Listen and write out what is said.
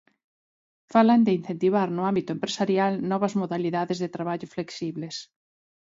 Falan de incentivar no ámbito empresarial novas modalidades de traballo flexibles.